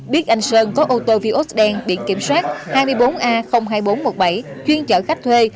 biết anh sơn có ô tô vios đen biện kiểm soát hai mươi bốn a hai nghìn bốn trăm một mươi bảy chuyên chở khách thuê